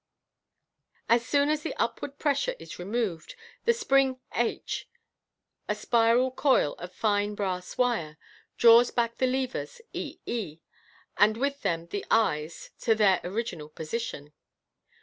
As soon as the upward pressure is removed, the spring h, a spiral coil of fine brass wire, draws back the levers e e, and with them the eyes, to their original position.